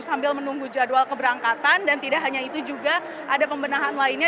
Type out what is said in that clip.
sambil menunggu jadwal keberangkatan dan tidak hanya itu juga ada pembenahan lainnya